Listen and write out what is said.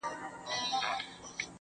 o اوس مي تعويذ له ډېره خروښه چاودي.